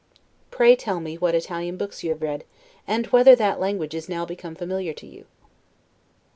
Pray tell me what Italian books you have read, and whether that language is now become familiar to you.